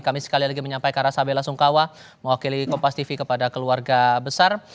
kami sekali lagi menyampaikan rasa bela sungkawa mewakili kompas tv kepada keluarga besar